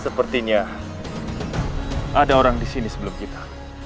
sepertinya ada orang disini sebelum kita